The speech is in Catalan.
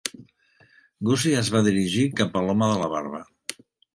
Gussie es va dirigir cap a l'home de la barba.